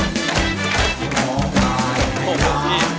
ที่ร้องได้ให้ร้าน